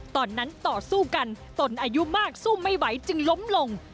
ตอนนั้นต่อสู้กันตนอายุมากสู้ไม่ไหวจึงล้มลง